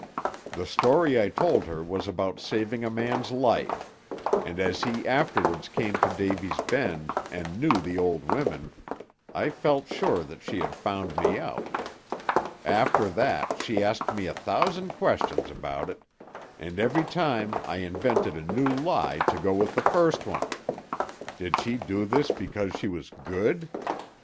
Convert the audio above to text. The story I told her was about saving a man's life, and as he afterwards came to Davy's Bend, and knew the old womern, I felt sure that she had found me out. After that she asked me a thousand questions about it, and every time I invented a new lie to go with the first one. Did she do this because she was Good?